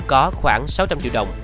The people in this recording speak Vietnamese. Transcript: có khoảng sáu trăm linh triệu đồng